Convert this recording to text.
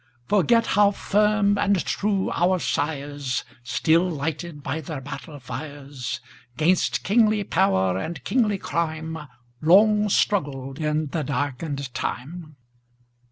Forget how firm and true our sires, Still lighted by their battle fires,'Gainst kingly power and kingly crime, Long struggled in the darkened time?